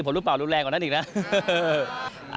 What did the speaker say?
ผมรู้ป่าวรุกแรงกว่านั้นอีกนะ